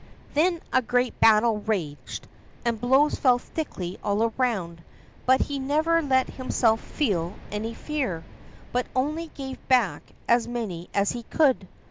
Then a great battle raged, and blows fell thickly all around, but he never let himself feel any fear, but only gave back as many as he could.